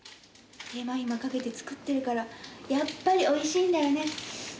手間暇かけて作ってるからやっぱりおいしいんだよね。